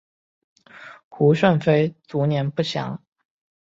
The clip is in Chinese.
胡顺妃卒年不详。